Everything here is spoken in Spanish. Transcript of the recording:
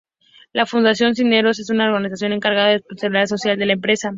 La Fundación Cisneros es una organización encargada de la responsabilidad social de la empresa.